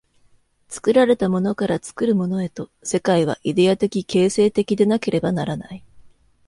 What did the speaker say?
作られたものから作るものへと、世界はイデヤ的形成的でなければならない。